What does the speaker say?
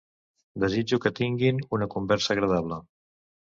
Desitjo que tinguin una conversa agradable.